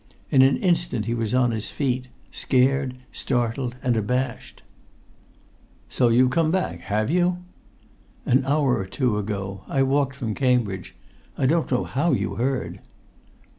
In an instant he was on his feet, scared, startled, and abashed. "So you've come back, have you?" "An hour or two ago. I walked from Cambridge. I don't know how you heard!"